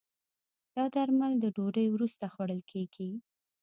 دا درمل د ډوډی وروسته خوړل کېږي.